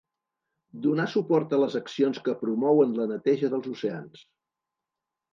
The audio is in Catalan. Donar suport a les accions que promouen la neteja dels oceans.